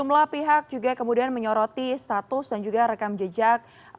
sejumlah pihak juga kemudian menyoroti status dan juga rekam jejak